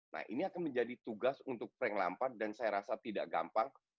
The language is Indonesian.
nah ini akan menjadi tugas untuk frank lampar dan saya rasa tidak gampang